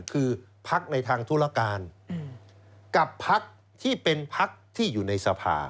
คือภักดิ์ในทางธุรการกับภักดิ์ที่เป็นภักดิ์ที่อยู่ในสภา